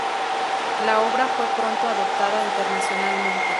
La obra fue pronto adoptada internacionalmente.